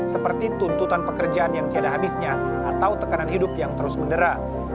seperti tuntutan pekerjaan yang tiada habisnya atau tekanan hidup yang terus mendera